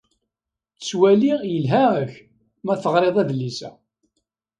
Ttwaliɣ yelha-ak ma teɣriḍ adlis-a.